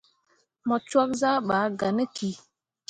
Mo cwakke zah ɓaa gah ne ki.